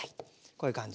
こういう感じ。